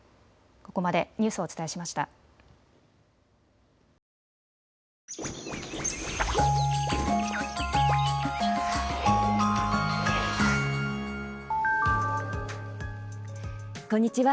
こんにちは。